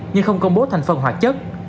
nhưng không công bố thành phần hoạt chất